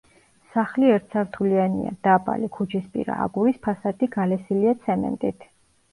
სახლი ერთსართულიანია, დაბალი, ქუჩისპირა, აგურის ფასადი გალესილია ცემენტით.